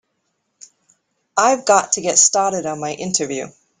I've got to get started on my interview.